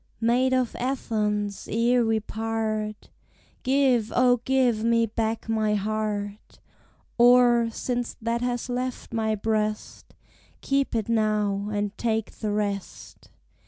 Maid of Athens, ere we part, Give, O, give me back my heart! Or, since that has left my breast, Keep it now, and take the rest!